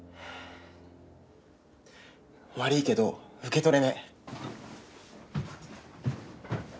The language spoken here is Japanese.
悪いけど受け取れねえ。